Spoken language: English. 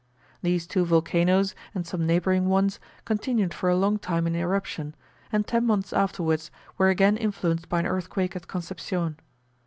These two volcanos, and some neighbouring ones, continued for a long time in eruption, and ten months afterwards were again influenced by an earthquake at Concepcion.